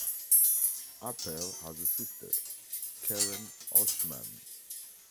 Appel has a sister, Karen Oshman.